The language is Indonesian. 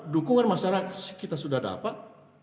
dukungan masyarakat kita sudah dapat